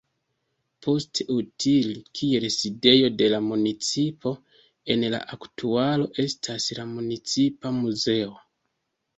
Post utili kiel sidejo de la municipo, en la aktualo estas la municipa muzeo.